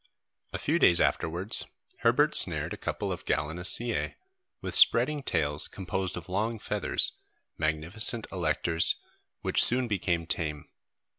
A few days afterwards, Herbert snared a couple of gallinaceæ, with spreading tails composed of long feathers, magnificent alectors, which soon became tame.